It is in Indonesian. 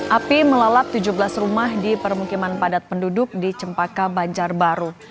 api melalap tujuh belas rumah di permukiman padat penduduk di cempaka banjarbaru